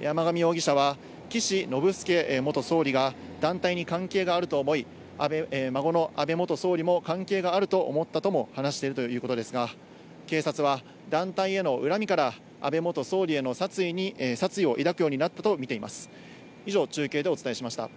山上容疑者は岸信介元総理が団体に関係があると思い孫の安倍元総理も関係があると思ったとも話しているということですが、警察は団体への恨みから安倍元総理に強い殺意を抱くようになったとみています。